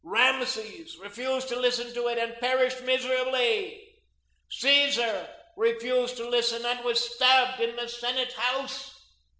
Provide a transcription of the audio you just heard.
Rameses refused to listen to it and perished miserably. Caesar refused to listen and was stabbed in the Senate House.